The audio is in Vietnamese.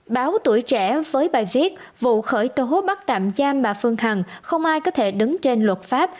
báo tuổi trẻ với bài viết vụ khởi tố bắt tạm giam bà phương hằng không ai có thể đứng trên luật pháp